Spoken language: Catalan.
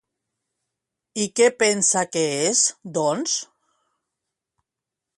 I què pensa que és, doncs?